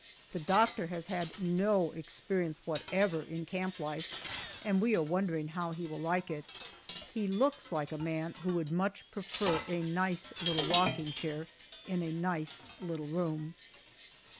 The doctor has had no experience whatever in camp life, and we are wondering how he will like it. He looks like a man who would much prefer a nice little rocking chair in a nice little room.